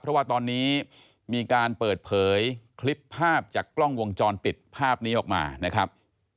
เพราะว่าตอนนี้มีการเปิดเผยคลิปภาพจากกล้องวงจรปิดภาพนี้ออกมานะครับ